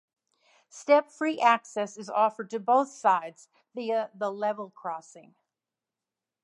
Step-free access is offered to both sides via the level crossing.